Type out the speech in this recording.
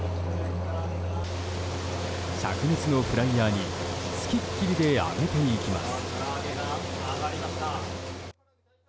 灼熱のフライヤーにつきっきりで揚げていきます。